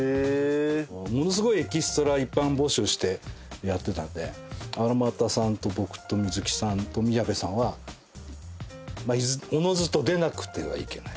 ものすごいエキストラ一般募集してやってたんで荒俣さんと僕と水木さんと宮部さんはまあおのずと出なくてはいけない。